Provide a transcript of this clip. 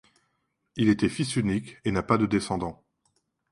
Il était fils unique et n'a pas de descendants.